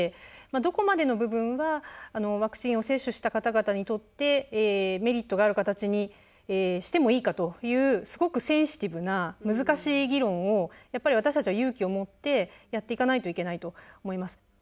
どこまでの部分はワクチンを接種した方々にとってメリットがある形にしてもいいかというすごくセンシティブな難しい議論をやっぱり私たちは勇気を持ってやっていかないといけないと思います。